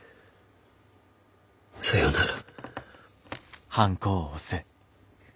さようなら。